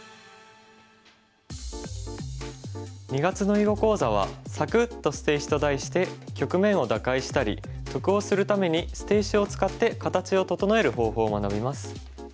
２月の囲碁講座は「サクッ！と捨て石」と題して局面を打開したり得をするために捨て石を使って形を整える方法を学びます。